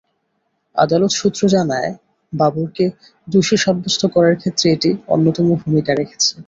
আদালত সূত্র জানায়, বাবরকে দোষী সাব্যস্ত করার ক্ষেত্রে এটি অন্যতম ভূমিকা রেখেছে।